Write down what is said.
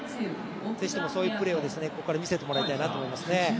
是非ともそういうプレーをここから見せてもらいたいなと思いますね。